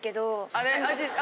あれ？